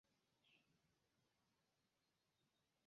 Kion vi faris en Barato?